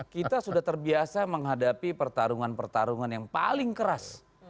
kita sudah terbiasa menghadapi pertarungan pertarungan yang paling keras